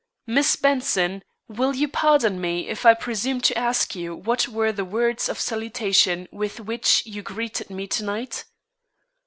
Miss Benson, will you pardon me if I presume to ask you what were the words of salutation with which you greeted me to night?"